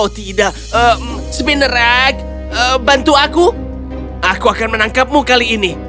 oh tidak spinnerag bantu aku aku akan menangkapmu kali ini